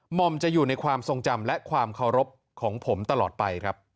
อมจะอยู่ในความทรงจำและความเคารพของผมตลอดไปครับ